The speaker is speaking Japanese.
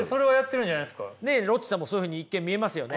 ロッチさんもそういうふうに一見見えますよね。